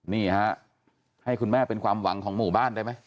นี่ฮะให้คุณแม่เป็นความหวังของหมู่บ้านได้ไหม